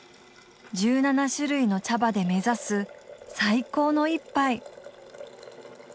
１７種類の茶葉で目指す最高の一杯。